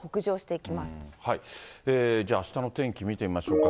じゃあ、あしたの天気見てみましょうか。